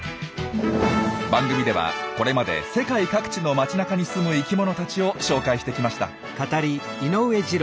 番組ではこれまで世界各地の街なかに住む生きものたちを紹介してきました。